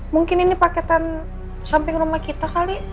mungkin ini paketan samping rumah kita kali